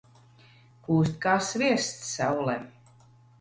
Kūst kā sviests saulē.